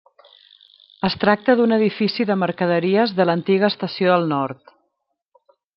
Es tracta d'un edifici de mercaderies de l'antiga estació del Nord.